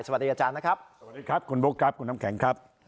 สวัสดีอาจารย์นะครับ